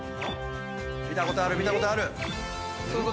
見たことある見たことある。